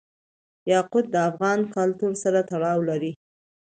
یاقوت د افغان کلتور سره تړاو لري.